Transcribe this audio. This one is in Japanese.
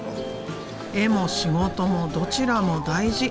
絵も仕事もどちらも大事。